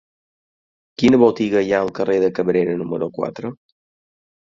Quina botiga hi ha al carrer de Cabrera número quatre?